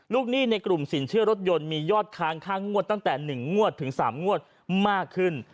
หนี้ในกลุ่มสินเชื่อรถยนต์มียอดค้างค่างวดตั้งแต่๑งวดถึง๓งวดมากขึ้น